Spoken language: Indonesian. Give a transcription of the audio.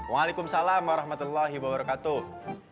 waalaikumsalam warahmatullahi wabarakatuh